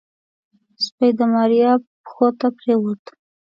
سپي د ماريا پښو ته پرېوت.